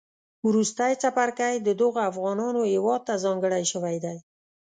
وروستی څپرکی د دغو افغانانو هیواد تهځانګړی شوی دی